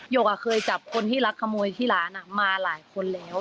กเคยจับคนที่รักขโมยที่ร้านมาหลายคนแล้ว